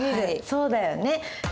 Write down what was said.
そうだよね。